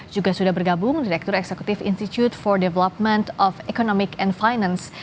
juga sudah bergabung direktur eksekutif institute for development of economic and finance